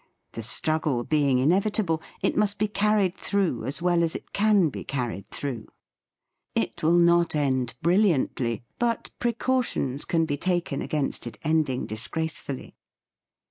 The struggle being in evitable, it must be carried through as well as it can be carried through. It will not end brilliantly, but precautions THE FEAST OF ST FRIEND can be taken against it ending disgrace fully.